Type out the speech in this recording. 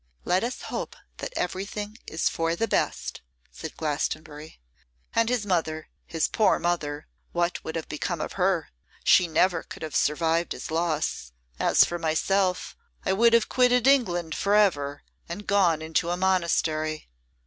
'Let us hope that everything is for the best,' said Glastonbury. 'And his mother, his poor mother, what would have become of her? She never could have survived his loss. As for myself, I would have quitted England for ever, and gone into a monastery.